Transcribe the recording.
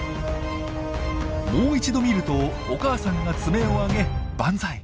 もう一度見るとお母さんが爪を上げバンザイ。